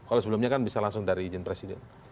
kalau sebelumnya kan bisa langsung dari izin presiden